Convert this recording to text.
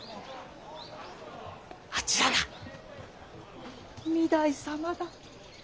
あちらが御台様だ。